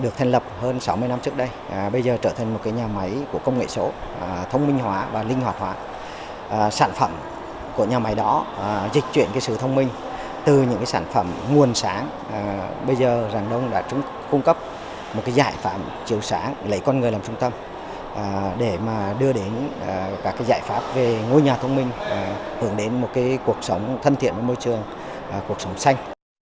các doanh nghiệp đã cung cấp một giải pháp chiều sáng lấy con người làm trung tâm để đưa đến các giải pháp về ngôi nhà thông minh hưởng đến một cuộc sống thân thiện với môi trường cuộc sống xanh